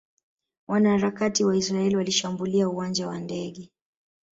Wanaharakati wa Israeli walishambulia uwanja wa ndege